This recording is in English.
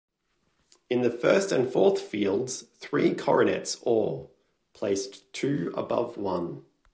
In the first and fourth fields three coronets or, placed two above one.